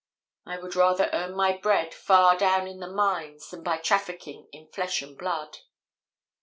I would rather earn my bread far down in the mines than by trafficking in flesh and blood.